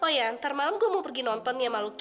oh ya ntar malam gue mau pergi nonton nih sama lucky